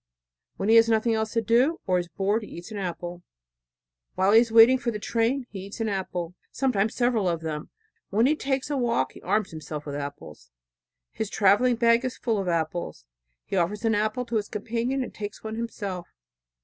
When he has nothing else to do, or is bored, he eats an apple. While he is waiting for the train he eats an apple, sometimes several of them. When he takes a walk, he arms himself with apples. His traveling bag is full of apples. He offers an apple to his companion, and takes one himself.